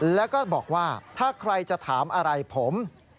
แล้วก็บอกว่าถ้าใครจะถามอะไรผม